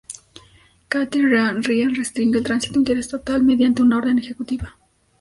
Cathy Ryan, Ryan restringe el tránsito interestatal mediante una orden ejecutiva.